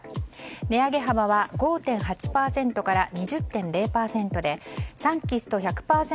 値上げ幅は５．８％から２０．０％でサンキスト１００％